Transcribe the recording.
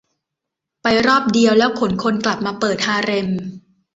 ไปรอบเดียวแล้วขนคนกลับมาเปิดฮาเร็ม